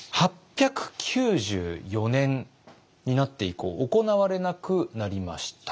８９４年になって以降行われなくなりました。